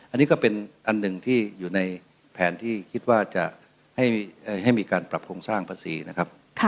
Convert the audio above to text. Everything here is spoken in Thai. อันนี้ก็เป็นอันหนึ่งที่อยู่ในแผนที่คิดว่าจะให้มีการปรับโครงสร้างภาษีนะครับ